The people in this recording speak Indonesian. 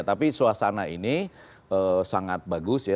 tapi suasana ini sangat bagus ya